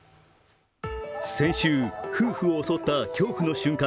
先週、夫婦を襲った恐怖の瞬間。